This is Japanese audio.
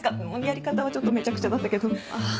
やり方はちょっとめちゃくちゃだったけど。